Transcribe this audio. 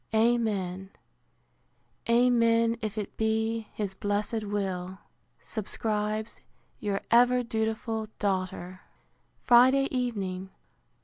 Amen, amen, if it be his blessed will, subscribes Your ever dutiful DAUGHTER! Friday evening.